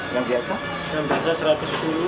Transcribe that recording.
yang biasa rp satu ratus sepuluh rp satu ratus lima puluh